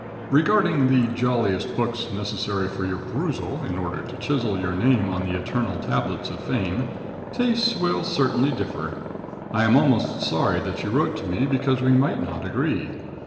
Regarding the "Joliest Books" necessary for your perusal, in order to chisel your name on the eternal tablets of fame, tastes will certainly differ. I am almost sorry that you wrote to me, because we might not agree.